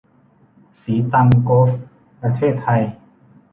ศรีตรังโกลฟส์ ประเทศไทย